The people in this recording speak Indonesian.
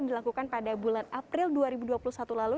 dilakukan pada bulan april dua ribu dua puluh satu lalu